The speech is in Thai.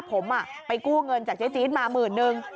ผมไปกู้เงินจากเจ๊จิ๊ดมา๑๐๐๐บาท